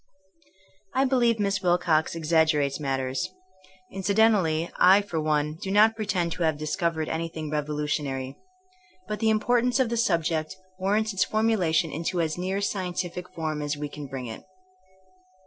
I believe Miss Wilcox exaggerates matters. Incidentally I for one do not pretend to have discovered anything revolutionary. But the im portance of the subject warrants its formula tion into as near scientific form as we can bring it.